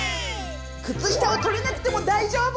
靴下をとれなくても大丈夫！